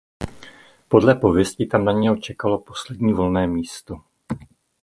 Podle pověsti tam na něho čekalo poslední volné místo.